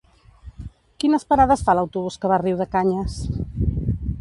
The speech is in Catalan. Quines parades fa l'autobús que va a Riudecanyes?